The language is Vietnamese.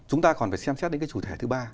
chúng ta còn phải xem xét đến cái chủ thể thứ ba